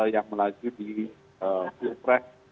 yang melaju di p tiga dua ribu dua puluh empat